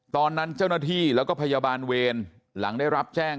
ตอนนั้นเจ้าหน้าที่แล้วก็พยาบาลเวรหลังได้รับแจ้ง